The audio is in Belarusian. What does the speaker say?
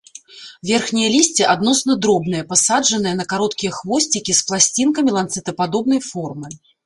Верхняе лісце адносна дробнае, пасаджанае на кароткія хвосцікі, з пласцінкамі ланцэтападобнай формы.